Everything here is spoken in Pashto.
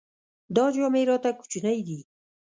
دا جامې راته کوچنۍ دي.